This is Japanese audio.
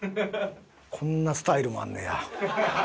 こんなスタイルもあんねや。